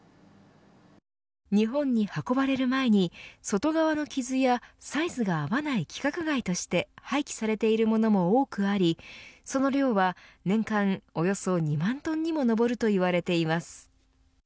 日本に運ばれる前に外側の傷や、サイズが合わない規格外として廃棄されているものも多くありその量は年間およそ２万トンにも上るといわれています。